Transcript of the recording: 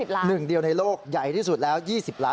หนึ่งเดียวในโลกใหญ่ที่สุดแล้ว๒๐ล้าน